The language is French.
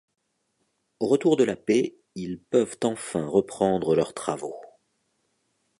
Au retour de la paix, ils peuvent enfin reprendre leurs travaux.